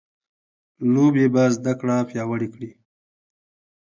لوبې به زده کړه پیاوړې کړي.